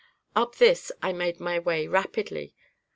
Up this I made my way rapidly.